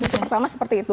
pertama seperti itu